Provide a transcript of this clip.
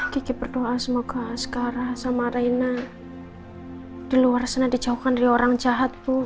kiki berdoa semoga sekarang sama raina di luar sana dijauhkan dari orang jahat bu